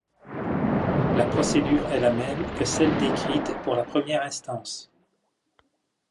La procédure est la même que celle décrite pour la première instance.